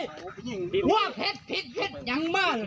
ว่าเผ็ดผิดเผ็ดยังบ้าน